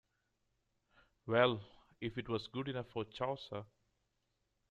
Well, if it was good enough for Chaucer.